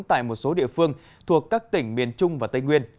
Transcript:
tại một số địa phương thuộc các tỉnh miền trung và tây nguyên